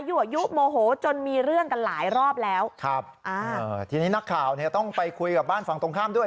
ั่วยุโมโหจนมีเรื่องกันหลายรอบแล้วครับอ่าทีนี้นักข่าวเนี่ยต้องไปคุยกับบ้านฝั่งตรงข้ามด้วย